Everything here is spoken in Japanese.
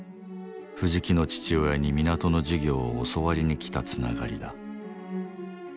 藤木の父親に港の事業を教わりに来たつながりだ。